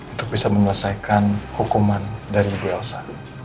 untuk bisa menyelesaikan hukuman dari ibu elsa